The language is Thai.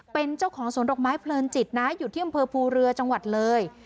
เป็นเจ้าของสวนดอกไม้เพลินจิตนะอยู่ที่อำเภอภูเรือจังหวัดเลย